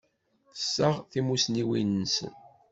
Tessaɣ timussniwin nsen.